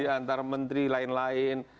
antara menteri lain lain